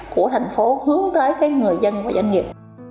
của thành phố hướng tới cái người dân và doanh nghiệp